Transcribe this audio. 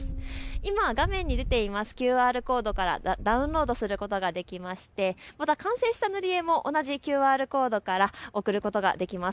今、画面に出ているＱＲコードからダウンロードすることができてまた完成した塗り絵も同じＱＲコードから送ることができます。